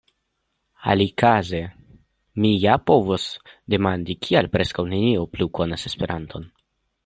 Alikaze mi ja povos demandi: kial preskaŭ neniu plu konas Esperanton?